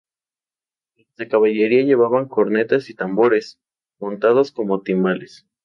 Los de caballería llevaban cornetas y tambores montados, como timbales.